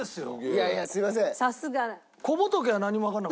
いやいやすみません。